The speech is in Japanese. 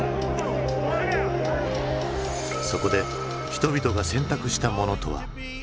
そこで人々が選択したものとは。